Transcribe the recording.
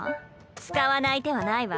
使わない手はないわ。